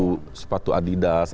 seperti sepatu adidas